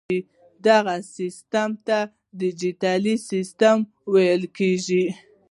دغه سیسټم ته ډیجیټل سیسټم ویل کیږي.